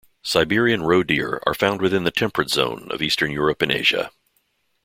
Siberian roe deer are found within the temperate zone of eastern Europe and Asia.